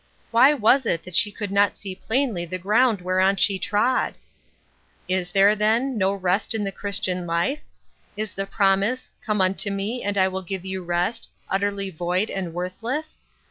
Why was it that she could not see plainly the ground whereon she trod ? Is there, then, no rest in the Christian life ? Is the promise, " Come unto me, and I will give you rest," utterly void and worthless